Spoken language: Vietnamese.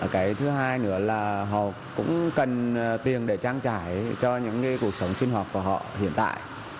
cái thứ hai nữa là họ cũng cần tiền để trang trải cho những cuộc sống sinh hoạt của họ hiện tại